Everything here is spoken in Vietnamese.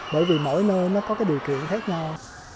bởi vì mỗi nơi nó có cái điều kiện khác nhau